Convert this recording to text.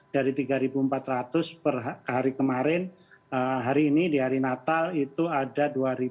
dari tiga empat ratus per hari kemarin hari ini di hari natal itu ada dua ratus